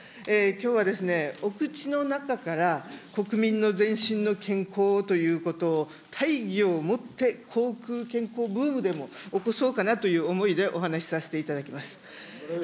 きょうは、お口の中から国民の全身の健康をということを大義を持って口腔健康ブームでも起こそうかなという思いでお話させていただきます。